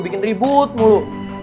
bikin ribut mulu